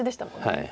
はい。